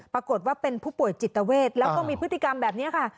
ปรากฏว่าเป็นผู้ป่วยจิตเวทแล้วก็มีพฤติกรรมแบบนี้ค่ะ